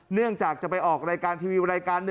เนื่องจากจะไปออกรายการทีวีรายการ๑